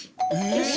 よし！